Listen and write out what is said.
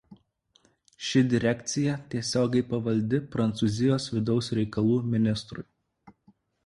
Ši direkcija tiesiogiai pavaldi Prancūzijos vidaus reikalų ministrui.